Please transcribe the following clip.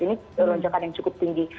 ini lonjakan yang cukup tinggi